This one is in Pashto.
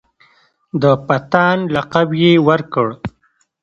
د پتهان لقب یې ورکړ.